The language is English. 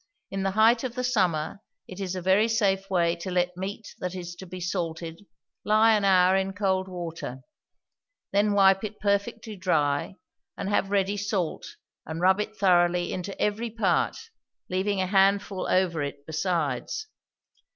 In the height of the summer it is a very safe way to let meat that is to be salted lie an hour in cold water; then wipe it perfectly dry, and have ready salt, and rub it thoroughly into every part, leaving a handful over it besides.